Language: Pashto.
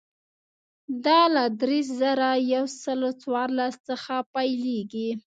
دا له درې زره یو سل څوارلس څخه پیلېږي.